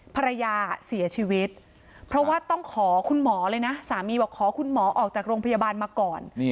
ภรรยาเสียชีวิตเพราะว่าต้องขอคุณหมอเลยนะสามีบอกขอคุณหมอออกจากโรงพยาบาลมาก่อน